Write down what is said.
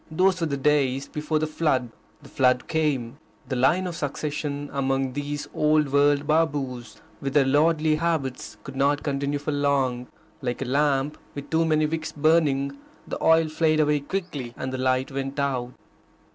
Those were the days before the flood. The flood came. The line of succession among these old world Babus, with their lordly habits, could not continue for long. Like a lamp with too many wicks burning, the oil flared away quickly, and the light went out.